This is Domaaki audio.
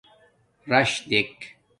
راش دیک